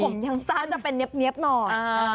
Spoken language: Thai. ผมยังสร้างจะเป็นเนี๊ยบหน่อย